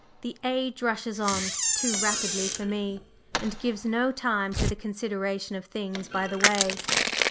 "The age rushes on too rapidly for me, and gives no time to the consideration of things by the way.